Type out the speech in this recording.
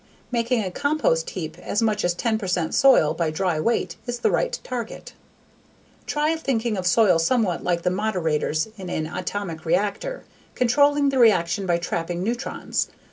Making a compost heap as much as 10 percent soil by dry weight is the right target Try thinking of soil somewhat like the moderators in an atomic reactor, controlling the reaction by trapping neutrons.